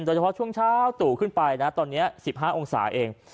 โดยเฉพาะช่วงเช้าตู่ขึ้นไปนะตอนนี้๑๕องศาเอง